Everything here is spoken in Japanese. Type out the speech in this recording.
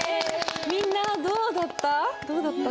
みんなどうだった？